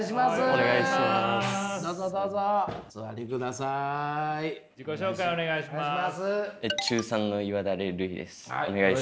お願いします。